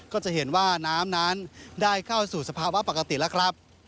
ก็จะเห็นว่าน้ำนั้นได้เข้าสู่สภาวะปกติแล้วครับ